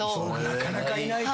なかなかいないか。